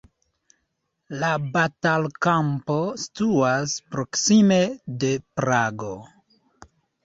La batalkampo situas proksime de Prago.